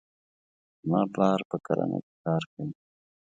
زما پلار په کرنې کې کار کوي.